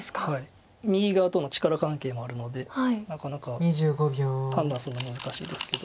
右側との力関係もあるのでなかなか判断するのは難しいですけど。